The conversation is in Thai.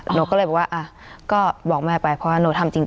หนูก็เลยบอกว่าอ่ะก็บอกแม่ไปเพราะว่าหนูทำจริง